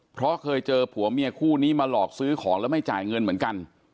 เพราะเคยเจอผัวเมียคู่นี้มาหลอกซื้อของแล้วไม่จ่ายเงินเหมือนกัน